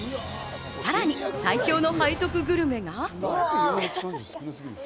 さらに最強の背徳グルメが。